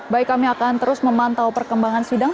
baik kami akan terus memantau perkembangan sidang